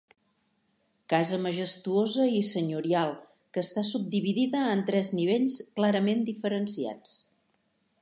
Casa majestuosa i senyorial que està subdividida en tres nivells clarament diferenciats.